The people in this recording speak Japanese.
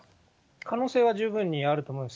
可能性は十分にあると思います。